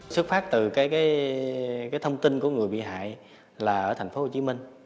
xuất phát từ cái thông tin của người bị hại là ở tp hcm